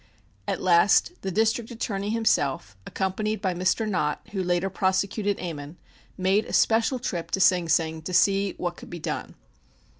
At last the District Attorney himself, accompanied by Mr. Nott, who later prosecuted Ammon, made a special trip to Sing Sing to see what could be done.